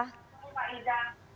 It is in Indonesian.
selamat sore pak riza